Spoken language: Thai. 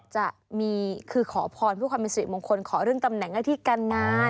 จะมีคือขอพรเพื่อความเป็นสิริมงคลขอเรื่องตำแหน่งหน้าที่การงาน